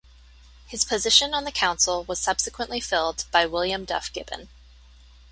His position on the Council was subsequently filled by William Duff Gibbon.